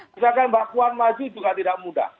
misalkan mbak puan maju juga tidak mudah